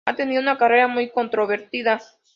Ha tenido una carrera muy controvertida.